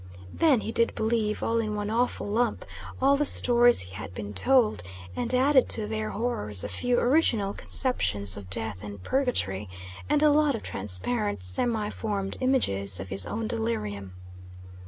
Then he did believe, all in one awful lump, all the stories he had been told, and added to their horrors a few original conceptions of death and purgatory, and a lot of transparent semi formed images of his own delirium.